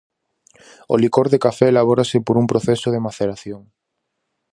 O licor de café elabórase por un proceso de maceración.